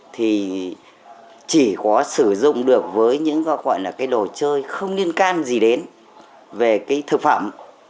thì chỉ có sử dụng được với những gọi là cái đồ chơi không liên can gì đến về cái thực phẩm